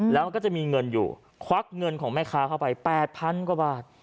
แล้วมันก็จะมีเงินอยู่ควักเงินของแม่ค้าเข้าไป๘๐๐๐กว่าบาท